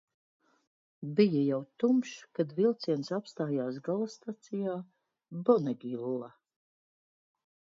Bija jau tumšs, kad vilciens apstājās gala stacijā, Bonegilla.